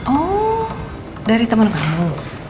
oh dari temen kamu